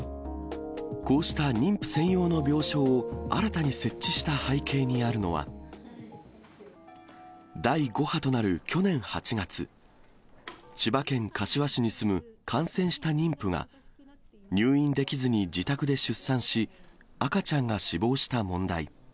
こうした妊婦専用の病床を新たに設置した背景にあるのは、第５波となる去年８月、千葉県柏市に住む感染した妊婦が、入院できずに自宅で出産し、赤ちゃんが死亡した問題。